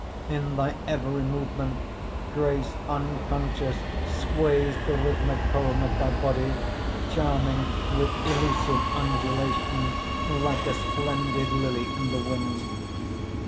In thy every movement grace unconscious Sways the rhythmic poem of thy body, Charming with elusive undulation Like a splendid lily in the wind.